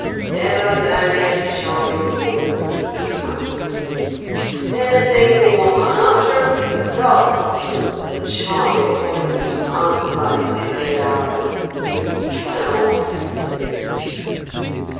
'Never marry a charming woman,' he counselled me. 'Anything more unutterably dull than "the charming woman" outside business hours you cannot conceive.